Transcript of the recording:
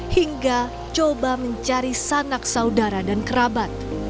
hingga coba mencari sanak saudara dan kerabat